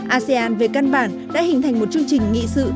asean về căn bản đã hình thành một chương trình nghị sự